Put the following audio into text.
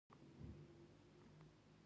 د جولای په میاشت کې خپریږي